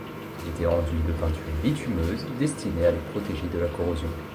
Ils étaient enduits de peinture bitumeuse destinée à les protéger de la corrosion.